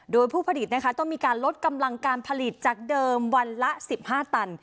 โดยผู้ผลิตนะคะต้องมีการลดกำลังการผลิตจากเดิมวันละ๑๕ตัน